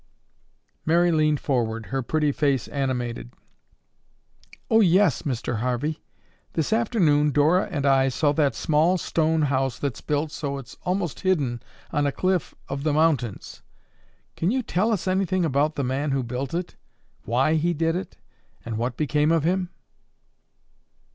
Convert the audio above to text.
Mary leaned forward, her pretty face animated: "Oh, yes, Mr. Harvey. This afternoon Dora and I saw that small stone house that's built so it's almost hidden on a cliff of the mountains. Can you tell us anything about the man who built it; why he did it and what became of him?"